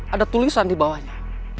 ada tulisan di bawahnya